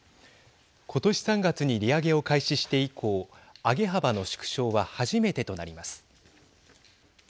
今年３月に利上げを開始して以降上げ幅の縮小は初めてとなります。